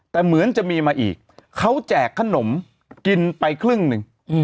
แต่เหมือนจะมีมาอีกเขาแจกขนมกินไปครึ่งหนึ่ง